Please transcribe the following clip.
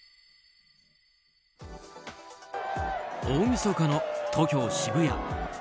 大みそかの東京・渋谷。